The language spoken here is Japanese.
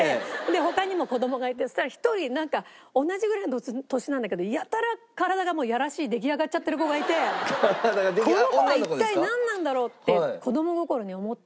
他にも子供がいてそしたら１人なんか同じぐらいの年なんだけどやたら体がもうやらしい出来上がっちゃってる子がいて「この子は一体なんなんだろう」って子供心に思って。